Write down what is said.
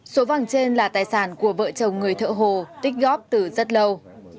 số vàng trên là tài sản của vợ chồng người thợ hồ tích góp từ rất lâu